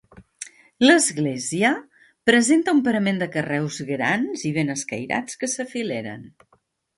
L'església presenta un parament de carreus grans i ben escairats que s'afileren.